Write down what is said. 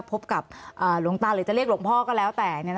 พบกับหลวงตาหรือจะเรียกหลวงพ่อก็แล้วแต่